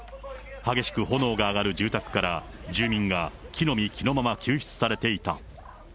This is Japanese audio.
激しく炎が上がる住宅から住民が着のみ着のまま救出されていた。